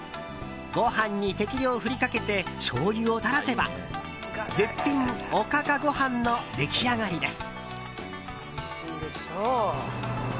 ご飯に適量振りかけてしょうゆをたらせば絶品おかかご飯の出来上がりです。